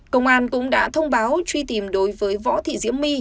công an cũng đã thông báo truy tìm đối với võ thị diễm my